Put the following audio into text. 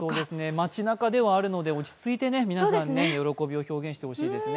街なかではあるので落ち着いて皆さん、喜びを表現してほしいですね。